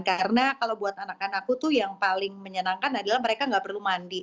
karena kalau buat anak anakku tuh yang paling menyenangkan adalah mereka nggak perlu mandi